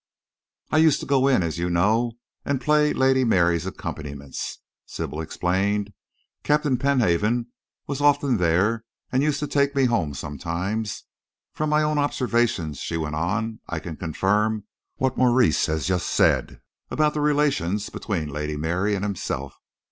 "I used to go in, as you know, and play Lady Mary's accompaniments," Sybil explained. "Captain Penhaven was often there and used to take me home sometimes. From my own observation," she went on, "I can confirm what Maurice has just said about the relations between Lady Mary and himself.